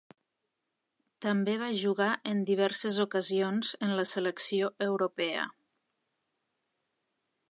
També va jugar en diverses ocasions en la selecció Europea.